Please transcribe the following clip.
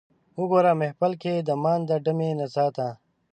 وګوره محفل کې د مانده ډمې نڅا ته